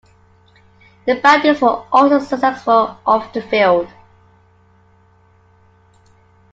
The Bandits were also successful off the field.